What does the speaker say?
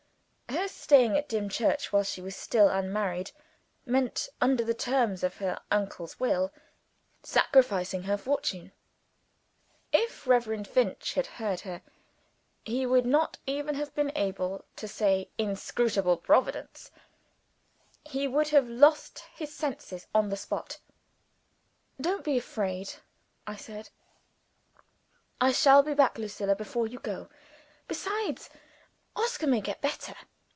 Her staying at Dimchurch, while she was still unmarried, meant (under the terms of her uncle's will) sacrificing her fortune. If Reverend Finch had heard her, he would not even have been able to say "Inscrutable Providence" he would have lost his senses on the spot. "Don't be afraid," I said; "I shall be back, Lucilla, before you go. Besides, Oscar may get better.